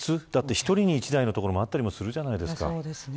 １人１台のところもあったりするじゃないですか。